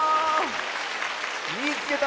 「みいつけた！